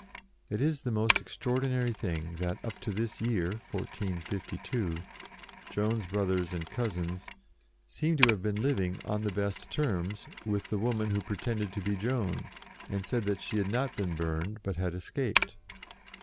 It is the most extraordinary thing that, up to this year, 1452, Joan's brothers and cousins seem to have been living, on the best terms, with the woman who pretended to be Joan, and said that she had not been burned, but had escaped.